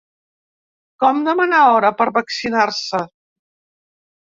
Com demanar hora per vaccinar-se?